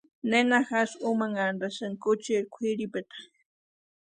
¿Nena jásï únhantasïnki kuchiri kwʼiripita?